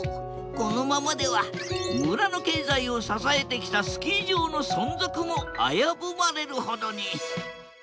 このままでは村の経済を支えてきたスキー場の存続も危ぶまれるほどに。